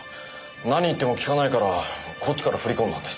何言っても聞かないからこっちから振り込んだんです。